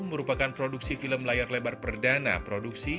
merupakan produksi film layar lebar perdana produksi